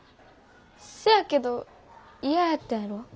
せやけど嫌やったやろ？